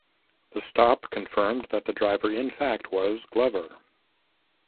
The stop confirmed that the driver in fact was Glover.